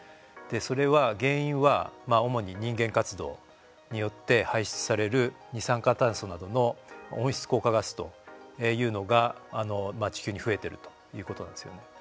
それは原因は主に人間活動によって排出される二酸化炭素などの温室効果ガスというのが地球に増えているということなんですよね。